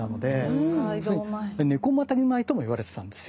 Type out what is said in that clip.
「猫またぎ米」とも言われてたんですよ。